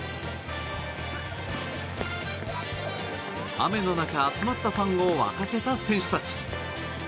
雨の中集まったファンを沸かせた選手たち。